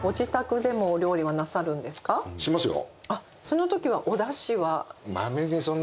しますよ。